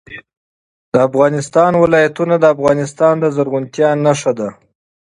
د افغانستان ولايتونه د افغانستان د زرغونتیا نښه ده.